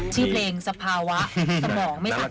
ที่เพลงสภาวะสมองไม่ทักตาล